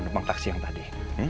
mau depan taksi yang tadi